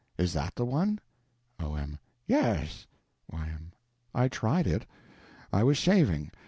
Is that the one? O.M. Yes. Y.M. I tried it. I was shaving.